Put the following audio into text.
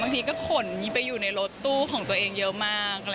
ทีก็ขนไปอยู่ในรถตู้ของตัวเองเยอะมาก